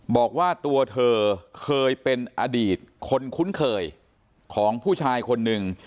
บอกว่าตัวเธอเคยเป็นอดีตคนคุ้นเคยของผู้ชายคนหนึ่ง